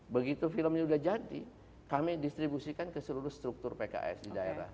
begitu filmnya sudah jadi kami distribusikan ke seluruh struktur pks di daerah